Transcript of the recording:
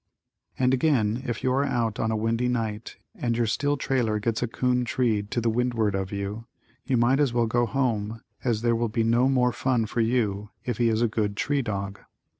And again if you are out on a windy night and your still trailer gets a 'coon treed to the windward of you, you might as well go home as there will be no more fun for you if he is a good tree dog.